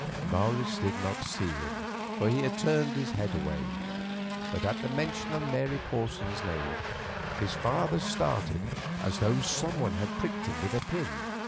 Morris did not see him, for he had turned his head away; but at the mention of Mary Porson's name his father started, as though someone had pricked him with a pin.